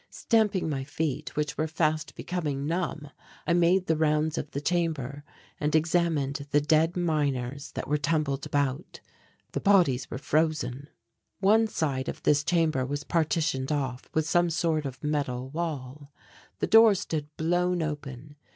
Stamping my feet, which were fast becoming numb, I made the rounds of the chamber, and examined the dead miners that were tumbled about. The bodies were frozen. One side of this chamber was partitioned off with some sort of metal wall. The door stood blown open.